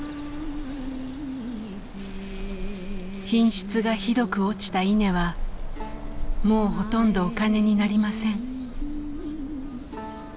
品質がひどく落ちた稲はもうほとんどお金になりません。